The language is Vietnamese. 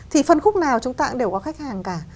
thì phân khúc nào chúng ta cũng đều có khách hàng cả